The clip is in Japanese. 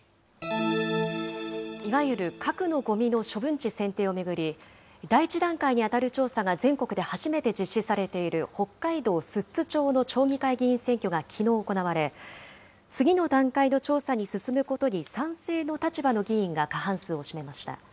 いわゆる核のごみの処分地選定を巡り、第１段階に当たる調査が全国で初めて実施されている北海道寿都町の町議会議員選挙がきのう行われ、次の段階の調査に進むことに賛成の立場の議員が過半数を占めました。